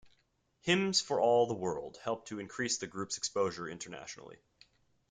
"Hymns For All The World" helped to increase the group's exposure internationally.